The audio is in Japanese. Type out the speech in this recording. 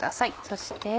そして。